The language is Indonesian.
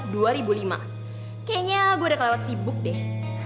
kayaknya gue udah kelewat sibuk deh